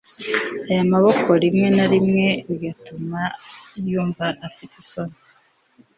aya maboko rimwe na rimwe bigatuma yumva afite isoni